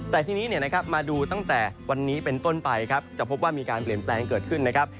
แต่ทีนี้มาดูตั้งแต่วันนี้เป็นต้นไปครับจะพบว่ามีการเปลี่ยนแปลงเกิดขึ้นนะครับ